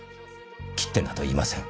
切ってなどいません。